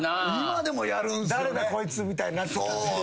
誰だこいつみたいになってたんすね。